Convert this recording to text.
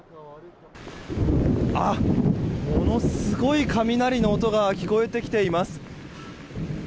あ、ものすごい雷の音が聞こえてきています。